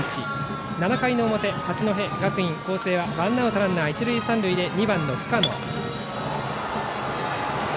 ７回の表、八戸学院光星はワンアウトランナー、一塁三塁で２番、深野。